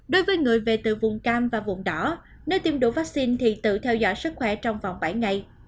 đối với người về từ vùng cam và vùng đỏ nơi tiêm đủ vaccine thì tự theo dõi sức khỏe trong vòng bảy ngày